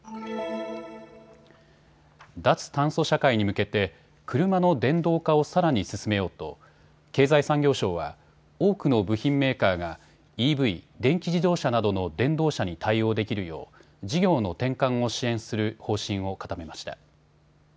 脱炭素社会に向けて車の電動化をさらに進めようと経済産業省は多くの部品メーカーがＥＶ・電気自動車などの電動車に対応できるよう事業の転換を支援する方針を固めました。